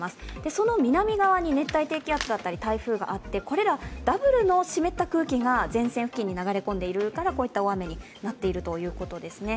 その南側に熱帯低気圧や台風があって、これらダブルの湿った空気が前線付近に流れ込んでいるからこういった大雨になっているということですね